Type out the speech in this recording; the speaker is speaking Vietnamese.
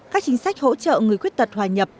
các chính sách hỗ trợ người khuyết tật hòa nhập